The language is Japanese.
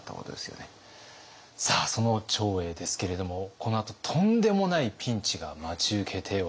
さあその長英ですけれどもこのあととんでもないピンチが待ち受けております。